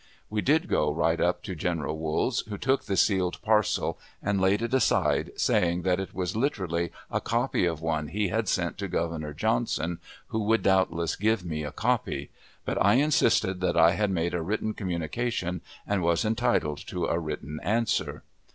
We did go right up to General Wool's, who took the sealed parcel and laid it aside, saying that it was literally a copy of one he had sent to Governor Johnson, who would doubtless give me a copy; but I insisted that I had made a written communication, and was entitled to a written answer.